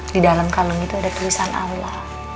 di dalam kalung itu ada tulisan alam